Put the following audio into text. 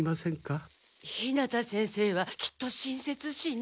日向先生はきっと親切心で。